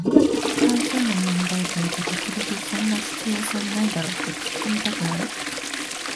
算数の問題文って時々そんなシチュエーションないだろってツッコミたくなる